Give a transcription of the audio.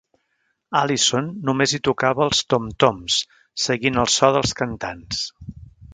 Allison només hi tocava els tom-toms, seguint el so dels cantants.